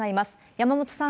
山本さん。